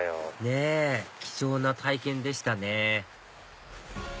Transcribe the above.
ねぇ貴重な体験でしたね